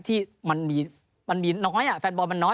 ที่มันมีน้อยแฟนบอลมันน้อย